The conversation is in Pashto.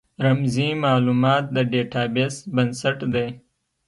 رمزي مالومات د ډیټا بیس بنسټ دی.